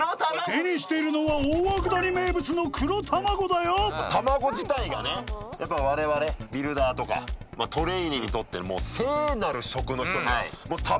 手にしているのは大涌谷名物の卵自体がねやっぱ我々ビルダーとかトレーニーにとって聖なる食の１つで。